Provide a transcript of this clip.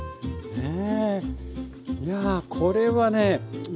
ねえ。